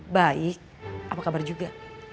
baik apa kabar juga